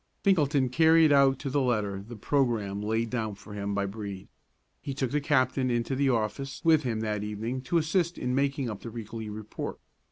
Finkelton carried out to the letter the programme laid down for him by Brede. He took the captain into the office with him that evening to assist in making up the weekly report.